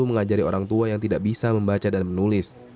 mengajari orang tua yang tidak bisa membaca dan menulis